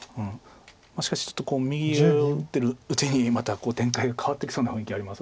しかしちょっと右上を打ってるうちにまた展開が変わってきそうな雰囲気あります